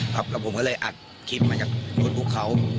ครับแล้วผมก็เลยอัดคลิปมาจากโน้ตพวกเขา